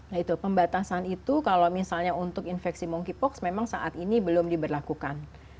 nah itu pembatasan itu kalau misalnya untuk infeksi monkeypox memang saat ini belum diberlakukan